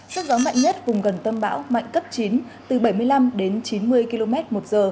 sức gió mạnh nhất vùng gần tâm bão mạnh cấp chín từ bảy mươi năm đến chín mươi km một giờ